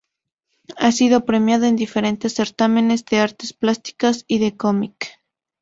Ha sido premiada en diferentes certámenes de artes plásticas y de cómic.